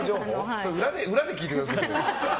それ、裏で聞いてくださいよ。